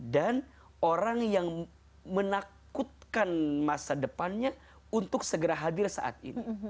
dan orang yang menakutkan masa depannya untuk segera hadir saat ini